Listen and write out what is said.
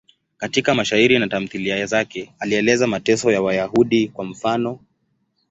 Katika mashairi na tamthiliya zake alieleza mateso ya Wayahudi, kwa mfano.